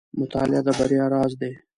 • مطالعه د بریا راز دی.